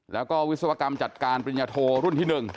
แล้วก็วิศวกรรมจัดการปริญญาโทรุ่นที่๑